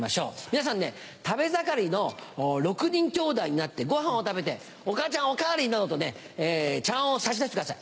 皆さんね食べ盛りの６人兄弟になってご飯を食べて「お母ちゃんお代わり」などと茶わんを差し出してください。